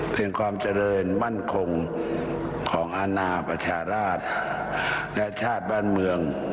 ถึงความเจริญมั่นคงของอาณาประชาราชและชาติบ้านเมือง